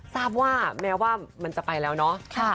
ทราบว่าแม้ว่ามันจะไปแล้วเนาะ